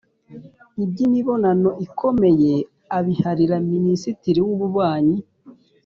iby'imibonano ikomeye abiharira minisitiri w'ububanyi